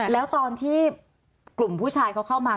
แล้วตอนที่กลุ่มผู้ชายเขาเข้ามา